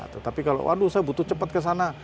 tetapi kalau waduh saya butuh cepat kesana